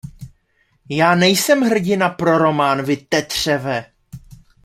Já nejsem hrdina pro román, vy tetřeve!